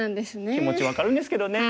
気持ち分かるんですけどね。